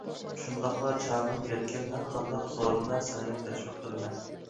شۇنداقلا چامىم يەتكەن ھەرقانداق سورۇندا سىلىنى تەشۋىق قىلىمەن.